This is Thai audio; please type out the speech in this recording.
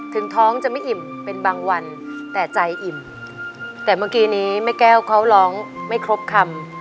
ถึงท้องจะไม่อิ่มเป็นบางวันแต่ใจอิ่มแต่เมื่อกี้นี้แม่แก้วเขาร้องไม่ครบคำ